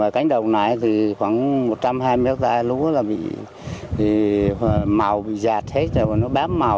cánh đồng này thì khoảng một trăm hai mươi hectare lúa là bị màu bị giạt hết rồi mà nó bám màu